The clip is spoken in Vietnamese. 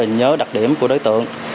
nhớ đặc điểm của đối tượng